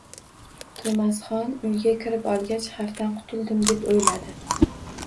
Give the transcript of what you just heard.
To’masxon uyga kirib olgach, xavfdan qutuldim, deb o’yladi.